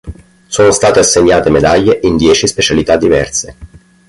Sono state assegnate medaglie in dieci specialità diverse.